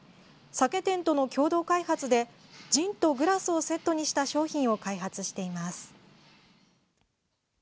酒店との共同開発でジンとグラスをセットにした商品を開発しています。